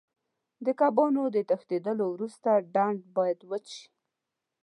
د کبانو د تښتېدلو وروسته ډنډ باید وچ شي.